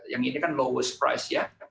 yang ini kan lowers price ya